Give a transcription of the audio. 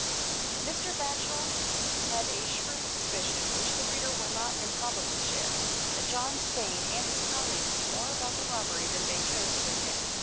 Mr. Batchel had a shrewd suspicion, which the reader will not improbably share, that John Spayne and his colleague knew more about the robbery than they chose to admit.